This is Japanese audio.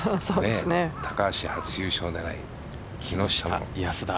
高橋、初優勝狙い木下、安田。